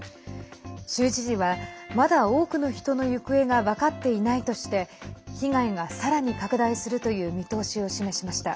州知事は、まだ多くの人の行方が分かっていないとして被害がさらに拡大するという見通しを示しました。